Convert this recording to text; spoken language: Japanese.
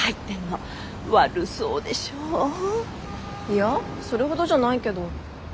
いやそれほどじゃないけど。